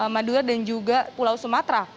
madura dan juga pulau sumatera